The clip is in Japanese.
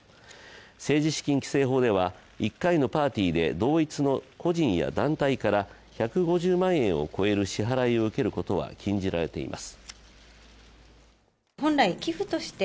政治資金規正法では１回のパーティーで同一の個人や団体から１５０万円を超える支払いを受けることは禁じられています。